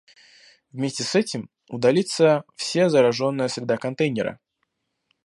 Вместе с этим удалится все зараженная среда контейнера